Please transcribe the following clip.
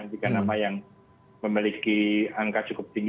jika nama yang memiliki angka cukup tinggi